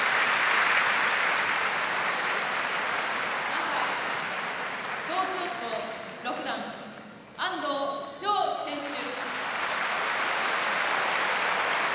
赤、東京都六段安藤翔選手。